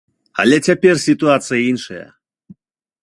Але цяпер сітуацыя іншая.